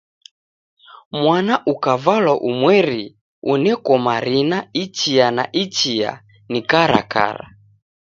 Mwana ukavalwa umweri uneko marina ichia na ichia ni karakara.